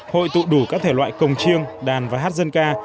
hội tụ đủ các thể loại cồng chiêng đàn và hát dân ca